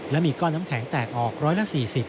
และมีก้อนน้ำแข็งแตกออกร้อยละ๔๐